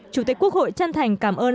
chủ tịch quốc hội chân thành cảm ơn